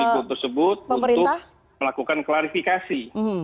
public figure tersebut untuk melakukan klarifikasi